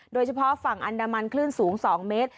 โดยเฉพาะฝั่งอันดามันคลื่นสูง๒เมตร